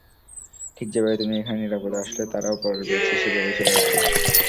ঠিক যেভাবে তুমি এখানে নিরাপদে আসলে, তারাও পরের ব্যাচে সেভাবেই চলে আসবে।